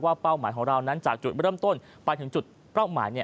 เป้าหมายของเรานั้นจากจุดเริ่มต้นไปถึงจุดเป้าหมาย